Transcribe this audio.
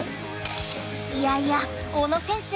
いやいや小野選手